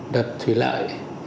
đập thủy lợi